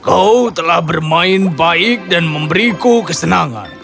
kau telah bermain baik dan memberiku kesenangan